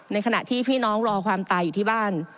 ขณะที่พี่น้องรอความตายอยู่ที่บ้าน